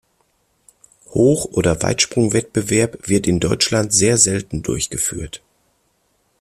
Hoch- oder Weitsprung-Wettbewerb wird in Deutschland sehr selten durchgeführt.